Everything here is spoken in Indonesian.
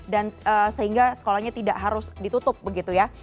dan sehingga sekolahnya tidak harus ditutup begitu ya